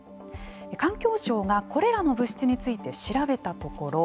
環境省が、これらの物質について調べたところ